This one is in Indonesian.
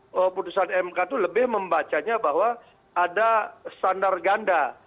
keputusan mk itu lebih membacanya bahwa ada standar ganda